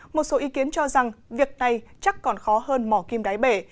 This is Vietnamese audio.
một số ý kiến cho rằng việc này chắc còn khó hơn mỏ kim đáy bể